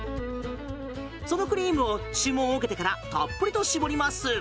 そのクリームを注文を受けてからたっぷりと搾ります。